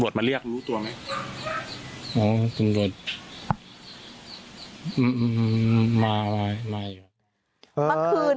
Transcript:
ดำรวจมาหาเมื่อคืน